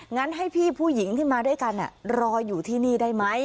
งั้นให้พี่ผู้หญิงที่มาด้วยกันรออยู่ที่นี่ได้ไหม